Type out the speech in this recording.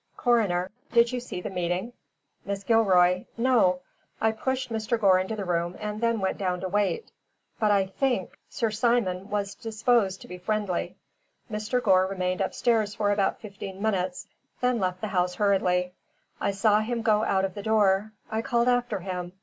Coroner: "Did you see the meeting?" Mrs. Gilroy: "No. I pushed Mr. Gore into the room then went down to wait. But I think Sir Simon was disposed to be friendly. Mr. Gore remained upstairs for about fifteen minutes, then left the house hurriedly. I saw him go out of the door. I called after him.